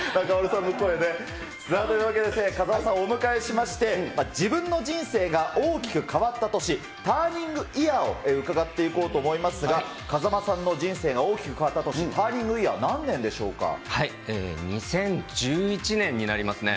さあ、ということで風間さん、お迎えしまして、自分の人生が大きく変わった年、ターニングイヤーを伺っていこうと思いますが、風間さんの人生が大きく変わった年、ターニングイヤーは何年でし２０１１年になりますね。